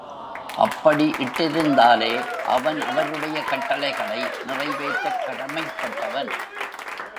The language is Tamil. அப்படி இட்டிருந்தாலே அவன் அவருடைய கட்டளைகளை நிறைவேற்றக் கடமைப்பட்டவன்.